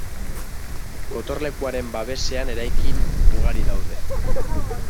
Gotorlekuaren babesean eraikin ugari daude.